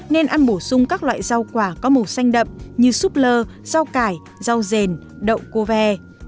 nên ăn bổ sung các loại rau quả có màu xanh đậm như súp lơ rau cải rau rèn đậu cua ve